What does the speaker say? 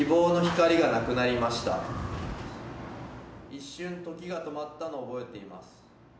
一瞬時が止まったのを覚えています。